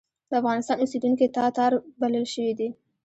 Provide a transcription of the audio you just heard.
د افغانستان اوسېدونکي تاتار بلل شوي دي.